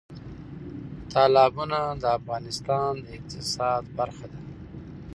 تالابونه د افغانستان د اقتصاد برخه ده.